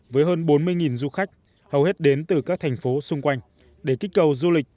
với hơn bốn mươi du khách hầu hết đến từ các thành phố xung quanh để kích cầu du lịch